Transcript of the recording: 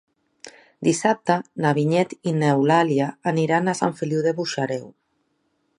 Dissabte na Vinyet i n'Eulàlia aniran a Sant Feliu de Buixalleu.